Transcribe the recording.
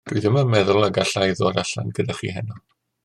Dw i ddim yn meddwl y galla i ddod allan gyda chi heno.